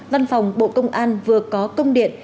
văn phòng bộ công an vừa có công điện